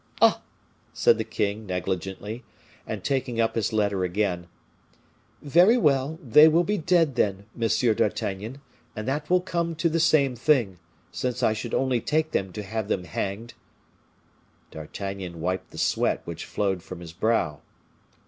"Ah!" said the king, negligently, and taking up his letter again. "Very well, they will be dead, then, Monsieur d'Artagnan, and that will come to the same thing, since I should only take them to have them hanged." D'Artagnan wiped the sweat which flowed from his brow.